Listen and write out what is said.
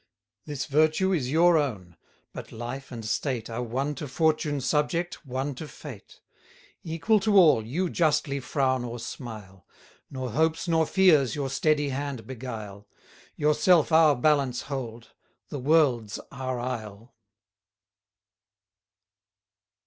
This virtue is your own; but life and state Are one to Fortune subject, one to Fate: Equal to all, you justly frown or smile; 360 Nor hopes nor fears your steady hand beguile; Yourself our balance hold, the world's our isle.